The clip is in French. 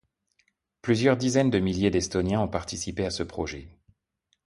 Plusieurs dizaines de milliers d'Estoniens ont participé à ce projet.